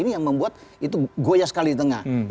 yang buat itu goya sekali di tengah